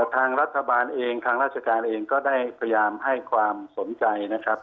ทางรัฐบาลเองทางราชการเองก็ได้พยายามให้ความสนใจนะครับ